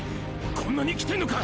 こんなに来てんのか。